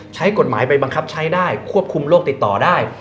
ใช้กฎหมายไปบังคับใช้ได้ควบคุมโรคติดต่อได้